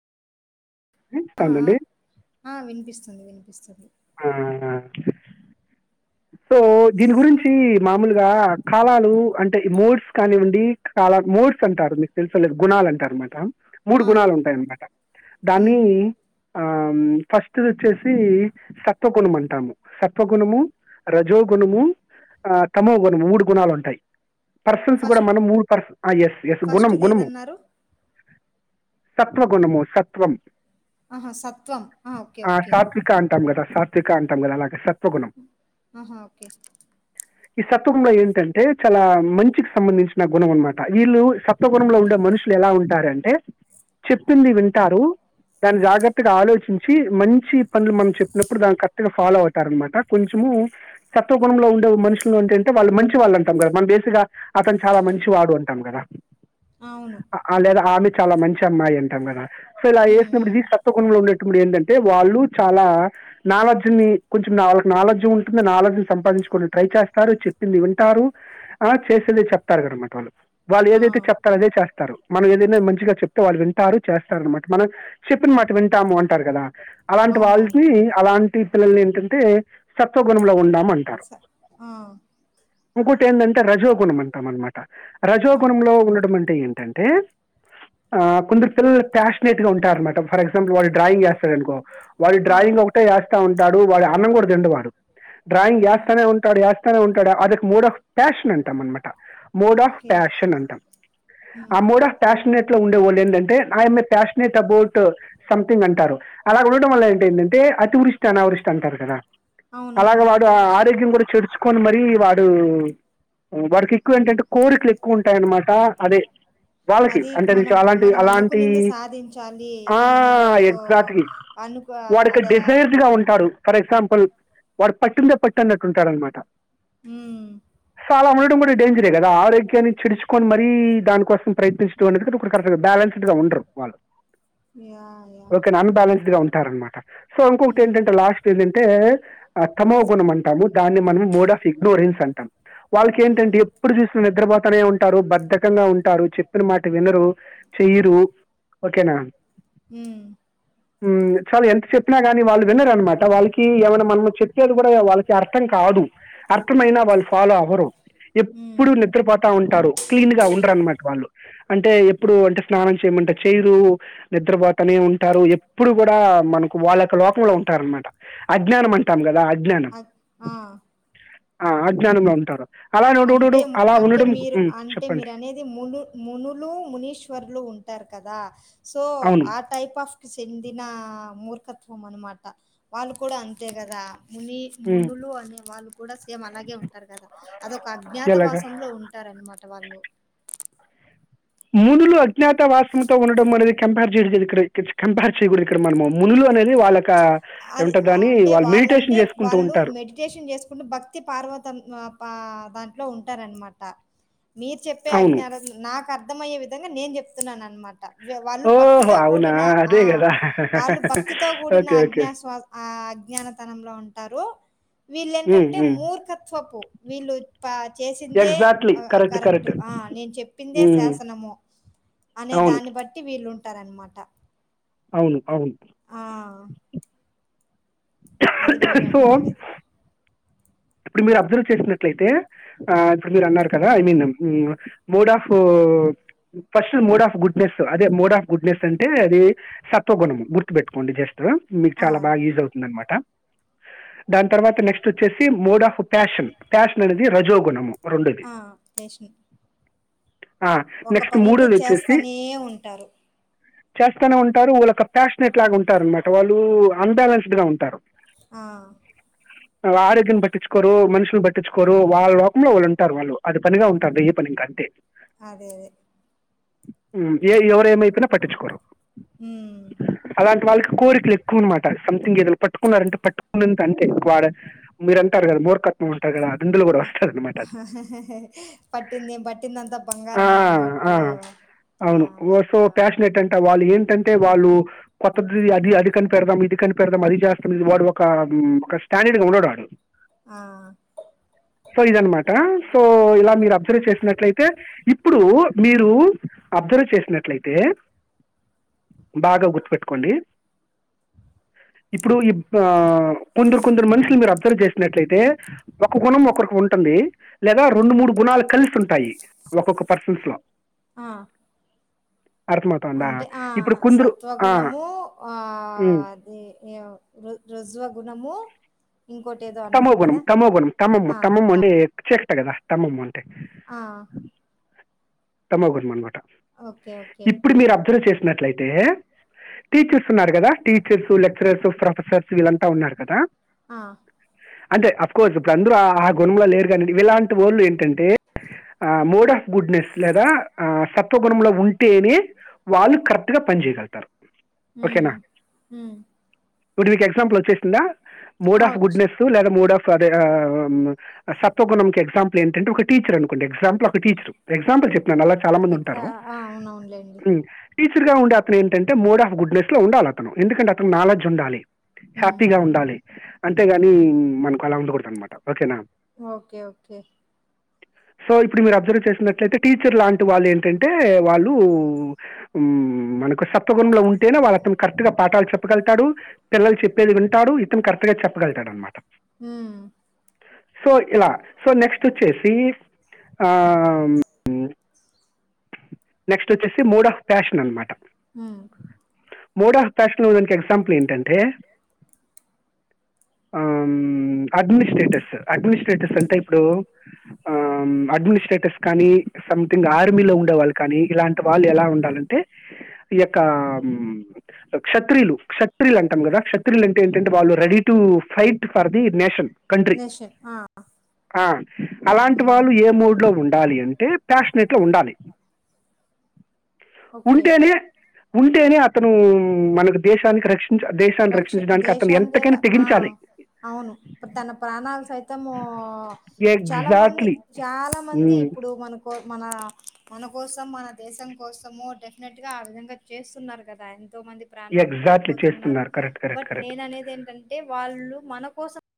అవునండి ఆఆ వినిపిస్తుంది వినిపిస్తుంది [inaudible] సో దీని గురించి మామూలుగా కాలాలు అంటే మూడ్స్ కానివ్వండి కాలా మూడ్స్ అంటారు మీకు తెలుసో లేదో గుణాలంటారు మాట మూడు ఆ! గుణాలు ఉంటాయన్నమాట హ్మ్. దాన్ని ఆ ఫస్ట్ది వచ్చేసి సత్వగుణం అంటాము సత్వగుణము రజోగుణము ఆ తమో గుణము మూడు గుణాలు ఉంటాయి పర్సన్స్ కూడా ఫస్ట్ మనం పర్సు ఎస్ ఎస్ గుణము గుణము ఫస్ట్‌దేదన్నారు? సత్వగుణము సత్వం ఆహా సత్వం ఆ ఓకే ఓకే శికా అంటం కదా అలాగ సత్వగుణం ఆహా ఓకే ఈ సత్వంలో ఏంటంటే చాలా మంచికి సంబంధించిన గుణం అన్మాట వీళ్ళు సత్వగుణంలో ఉండే నుష్లెలా ఉంటారంటే చెప్పింది వింటారు దాన్ని జాగ్రత్తగా ఆలోచించి మంచి పనులు మనం చెప్పినప్పుడు దాని కక్ట్ గా ఫాలో అవుతారనమాట కొం సత్వగుణంలో ఉండే మనుషులు అంటే ఏంటే వాళ్ళు మంచి వాళ్ళంటాం గదా మన బేసిక్ గా అతను చాలా మంచో వాడు అంటం గదా అవును. లేదా ఆమె చాలా మంచి అమ్మాయి అంటాం గదా సో అలా హ్మ్. ఏసినప్పుడు హ్మ్. ది సత్వగుణంలో ఉండే ఇప్పుడ ఏందంటే వాళ్ళు చాలా నాలెడ్జ్ ని కొంచెం నాళ్ నాలెడ్జ్ ఉంటుంది నాలెడ్జ్ సంపాదించుకొని ట్రై చేస్తారు, చెప్పింది వింటారు ఆ చేసేది చెప్తారు గన్మాట వాళ్ళు. వాళ్ళు ఆ! ఏదైతే చెప్తారో అదే చ మనం ఏదైనా మంచిగా చెప్తే వాళ్ళు వింటారు చేస్తారు అన్మాట, మనం చెప్పిన మాట వింటాము అంటారు గదా! అలాంటి అవునవును. వాళ్ళ్కి అలాంటి పిల్లల్ని ఏంటంటే సత్వగుణంలో ఉండా స ఆ ఇంకోటి ఏంటంటే రజోగుణం అంటాం అన్మాట ఆ! రజోగుణంలో ఉండడం అంటే ఏంటంటే ఆ కుందరు పిల్లలు ప్యాషననేట్ గా ఉంటారనట ఫర్ ఎగ్జాంపుల్ వా డ్రాయింగ్ ఏస్తాడనుకో వాడి ఆ! డ్రాయింగ్ ఒకటే ఏస్తా ఉంటాడు, వాడి అన్నం గూడా తిండువాడు. డ్రాయింగ్ ఆహా! ఏస్తానే ఉంటాడు ఏస్తానే ఉంటాడు, అదొక మోడ్ ఆఫ్ ప్యాషన్ అంటాం అన్మాట మోడ్ ఆఫ్ ఓకే. ప్యాషన్. నంటాం ఆ హ్మ్. మోడ్ ఆఫ్ ప్యాషనేట్ లో ఉండేవోళ్ళు ఏంటంటే I'm a passionate about something అం అలాగ ఉండడం వల్ల ఏంటేంటంటే అతివృష్టి అనావృష్టి అంటారు కదా అలాగ అవునవును. వాడు ఆ అతివృష్టి. ఆరోగ్యం కూడా చెడుచుకోని మరీ వాడు వాడికి ఎక్కువ ఏంటంటే కోరికలు ఎక్కువ ఉంటాయన్నమాట అదే వాళ్ళకి అది అంటే మనం నేను అలాంటి మనం అలాంటి అనుకునింది సాధించాలి అనిని లైక్ ఎగ్జాక్ట్లీ అనుకు వాడికి అదే డిజైర్డ్ గా ఉంటారు ఫర్ ఎగ్జాంపుల్ వాడు పట్టుందే పట్టు అన్నట్టుంటాడన్మాట మ్మ్ అలా ఉండడం గుడా డేంజరే గద ఆరోగ్యాన్ని చెడుచుకోని మరీ దానికోసం ప్రయతిస్తూ అనే [inaudible] బ్యాలెన్ ఉండరు వాళ్ళు యా ఓకే నన్ బ్యాలెన్స్డ్ గా ఉంటారన్మాట సో ఇంకొకటి హ్మ్. ఏంటంటే లాస్ట్ ఏంటంటే తమోగుణం అంటాము దాన్ని మనం మోడ్ ఆఫ్ ఇగ్నోరెన్స్ అంటాం వాళ్ళకి ఏంటంటే హ్మ్. ఎప్పుడు చూసిన నిద్రపోతనే ఉంటారు బద్దకంగా ఉంట టారు చెప్పిన మాట వినరు చెయ్యరు ఓకేనా మ్మ్ చాలా ఎంత చెప్పినా గాని వాళ్ళు వినారనమాట వాళ్ళకి ఏమైనా మనం చెప్ గుడా వాళ్ళకి అర్థం కాదు అర్థమైనా వాళ్ళు ఫాలో అవ్వరు హ్మ్. ఎప్పుడు నిద్రపోతా ఉంటారు క్లీన్ గా ఉండరన్నమాట వాళ్ళు అంటే ఎప్పుడు అంటే స్నానం చేయమంటే చైరు నిద్రబోతానే ఉం టారు ఎప్పుడు గుడా మనకు వాళ్ళొక లోకంలో ఉంటారన్మాట అజ్ఞానం టాం గదా అజ్ఞానం అక్ ఆ! ఆ అజ్ఞానంలో ఉంటారు అలా ఉండడు అంతేం అలా అంతే ఉండడం మీరు మ్మ్, అంతే చెప్పండి మీరనేది మును మునులు మునీశ్వర్లు ఉంటారు కదా సో అవును ఆ టైప్ ఆఫ్ కి చెందిన మూర్ తత్వం అనమాట వాళ్ళు కూడా అంతే కదా ముని మ్మ్, మునులు అనే వాళ్ళు కూడా సేమ్ అలాగే ఉంటారు గా అదొక ఎలాగా అజ్ఞాతవాసంలో ఉంటారన్నమాట వాళ్ళు మునులు అజ్ఞాత వాసంతో ఉండడం అనేది కంపేర్ చేయడం ఇక్కడ ఇకచ్ కంపేర్ చేయగుడదు ఇక్కడ మనము మునులు అనేది వాళ్ళక అది ఏమంటారు దాన్ని అంటే వాళ్ళు వాళ్ళంటే మెడిటేషన్ చేసుకుంటూ వాళ్ళు ఉంటారు మెడిటేషన్ చేసుకుని భక్తి పార్వతం నా పా దాని ఉంటారనమాట మీరు చెప్పే అవును అజ్ఞా నా [unintelligible] అర్థమయ్యే విధంగా నేను చెప్తున్నాను అనమాట వాళ్ళు ఓహో భక్తితో అవునా కూడిన ఆ అదే గదా ఓకేే ఓక్ అజ్ఞాస్ ఆ అజ్ఞానతనంలో ఉంటారు వీళ్ళ ఏంటంటే మూర్ఖత్వపు వీళ్ళు చేసిందే కరెక్ట్ ఆ నేను చెప్పిందే శాసనమో అనే అవును దాన్ని బట్టి వీళ్ళుంటారనమాట అవును అవును అది సో మీరంటాడేది ఇప్పుడు మీరు అబ్జర్వ్ చేసినట్లయితే ఆ ఇప్పుడు మీరు అన్నారు కదా I mean mode of oh first mood of goodness అదే మోడ్ ఆఫ్ గుడ్నెస్ అంటే అది సత్వగుణం గుర్తుపెట్టుకోండి జస్ట్ మీకు ఆ చాలా బాగా ఈజ్ అవుతుంది అన్మాట దాని తర్వాత నెక్స్ట్ వచ్చేసి మోడ్ ఆఫ్ ఫ్యాషన్ ఫ్యాషన్ అనేది రజోగుణము రెండుది ఆ పేషెంట్ ఒక పనిని చేస్తానే ఉంటారు చేస్తూనే ఉంటారు వాళ్ళొ ప్యాషనెట్ లాగా ఉంటారు అనమాట వాళ్ళు అన్బాలెన్స్డ్ గా ఉంటారు ఆ కొరు మనుషుల్ పట్టించుకోరు వాళ్ లోకంలో వాళ్ళు ఉంటారు వాళ్ళు అది పనిగా ఉంటంది ఈ పని ఇంక అంతె అదే అదే. ఉ ఏ ఎవరేమైపోయినా పట్టించుకోరు హ్మ్. అలాంటి వాళ్ళకి కోరికలు ఎక్కువు అనమాట సంథింగ్ ఏదనా పట్టుకున్నారంటే పట్టుకున్న అంతె వాడ మీరు అంటారు కదా మూర్ఖత్వం అంటారు కదా అందులో కూడా అ [unintelligible] అన్నమాట అంత బంగారమే అన్నట్టు ఆ! అవును వ సో లైక్ ప్యాషనెట్ అంట వాళ్ళు ఏంట అంటే వాళ్ళు కొత్తది అది అది కని పెడదాం ఇది కని పెడదాం అది చేస్తాం ఇది వాడు ఒక ఊ ఒక స్టాండ్ ఇదిగుండాదు ఆ సొ ఇదనమాట సో ఇలా మీరు అబ్జర్వ్ చేసినట్లయితే ఇప్పుడు మీరు అబ్జార్వ్ చేసినట్లయితే బాగా గుర్తుపెట్టుకోండి ఇప ఆ కొందరు కొందరు మనుషులు మీరు అప్ జార్వ్ చేసినట్లయితే ఒక గుణం ఒకరికి ఉంటంది, లేదా రెండు మూడు గుణాల్ కలిసి ఉంటాయి ఒక్కొక్క పర్సన్స్ లో ఆ అర్థమవుతుందా అంటే ఆ ఇప్పుడు కొందరు ఆ, సత్వగుణము ఆ ఉమ్, అది ఏవ్ రుత్ రుత్ జువ గుణము తమో గుణం తమో గుణం తమ్మమ్మ ఆ! త తమమ్మ అంటే చేస్తగదా తమ్మమ్మ అంటే ఆ తమోగుణం అనమాట ఓకే. ఓకే. ఇప్పుడు మీరు అబ్జర్వ్ చేసినట్లయితే టీచర్స్ ఉన్నారు కదా టీచర్స్ లెక్చరర్స్ ప్రొఫెసర్స్ వీళ్ళంతా ఉన్నారు కదా ఆ అంటే అఫ్ కోర్స్ గందులో ఆ గుణంలో లేరు కనీ ఇలాంటి వాళ్ళు ఏంటంటే ఆ మోడ్ ఆఫ్ గుడ్నెస్ లేదా ఆ సత్వగుణంలో ఉంటేనే వాళ్ళు కరెక్ట్ గా పనిచెగలుగుతారు హ్మ్ హ్మ్ ఇప్పుడు మీకు ఎగ్జాంపుల్ వోచ్చేసిందా మూడ్ ఆ! ఆఫ్ వచ్చి గుడ్నెస్ లేదా మూడ్ ఆఫ్ అదేగా ఆ సత్వగుణం కు ఎగ్జాంపుల్ ఏంటంటే ఒక టీచర్ అనుకోండి ఎగ్జాపుల్ ఒక టీచర్ ఎగ్జాపుల్ చెప్ ననాలా చాలా మంది ఎక్ ఆ ఉంటారు ఆ అవునవునులేండి ము టీచర్గా ఉండే అతను ఏంటంటే మోడ్ ఆఫ్ గుడ్నెస్ లో ఉండాలతను ఎందుకంటే అతను నాలడ్జ్ ఉండాలి హ్మ్ హ్యాపీగా ఉండాలి అంతేగాని మనకు అలా ఉండకూడదు అన్ మాట ఓకేనా ఓకే ఓకే సొ ఇప్పుడు మీరు అబ్జర్వ్ చేసినట్లయితే టీచర్ లాంటి వాళ్ళు ఏంటంటే వాళ్ళు ము మనకు సప్త గుణం లో ఉం తేనె వాళ్ళ అతను కరెక్ట్ గా పాఠాలు చెప్పగలుతాడు, పిల్లలు చెప్పేది వింటాడు ఇతను కరెక్ట్ గా చెప్పగలుగుతాడు అనమాట, ఊ సో ఇలా సో నెక్స్ట్ వోచ్చేసి ఆ ఊ ఊ నెక్స్ట్ వోచ్చేసి మూడ్ ఆఫ్ ఫ్యాషన్ అనమాట, హ్మ్ మూడ్ ఆఫ్ ఫ్యాషనున్ నికి ఎగ్జాంపుల్ ఏంటంటే అం అడ్మిస్ట్రేటస్ అడ్మిస్ట్రేటస్ అంటే ఇప్పుడు అం అడ్మిస్ట్రేటర్స్ కానీ సంథింగ్ ఆర్మీలో ఉండేవాళ్ళు కానీ ఇలాంటి వాళ్ళు ఎలా ఉండాలంటే, కం క్షత్రియులు క్షత్రియులు అంటం కదా క్షత్రియులు అంటే ఏంటంటే వాళ్ళు ready to fight for the nation, country nation ఆ ఆ అలాంటి హ్మ్ వాళ్ళు ఏ మూడ్ లో ఉం డాలి అంటే ప్యాష్ నెట్ గా ఉండాలి ఓకే ఉంటేనే ఉంటేనే అతను మనకు దేశానికి రక్ష దేశాన్ని రక్ష రక్షించడానికి అతను దేశానికేగా ఎంతకైనా ఆ తెగించాలి. అవును ఇప్పుడు తన ప్రాణాలు సైతము ఇ చాలా మంది ఎగ్జాక్ట్లీ చాలా మంది మంది ఇప్పుడు మనకు మన మన కోసం మన దేశం కోసము డెఫినెట్ గా ఆ విధంగా చేస్తున్నారు, కదా ఎంతో మంది ప్రాణాలు ఎగ్జాక్ట్లీ కోల్పోతున్నారు చేస్తున్నారు కరెక్ట్ కరెక్ట్ బట్ కరెక్ట్ నేన అనేది ఏంటంటే వాళ్ళు మన కోసం